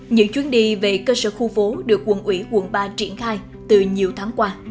những chuyến đi về cơ sở khu phố được quận ủy quận ba triển khai từ nhiều tháng qua